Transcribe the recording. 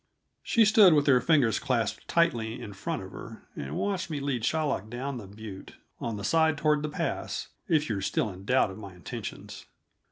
She stood with her fingers clasped tightly in front of her, and watched me lead Shylock down that butte on the side toward the pass, if you are still in doubt of my intentions.